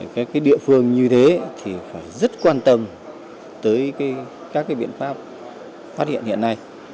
các địa phương như thế thì phải rất quan tâm tới các biện pháp phát hiện hiện nay